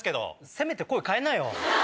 せめて声変えなよ。